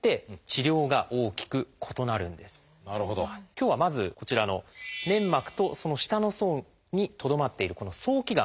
今日はまずこちらの粘膜とその下の層にとどまっているこの早期がん。